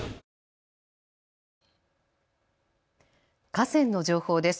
河川の情報です。